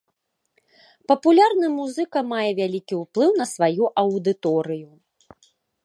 Папулярны музыка мае вялікі ўплыў на сваю аўдыторыю.